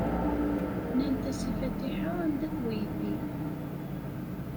Nnant-as i Fatiḥa anda-t weydi.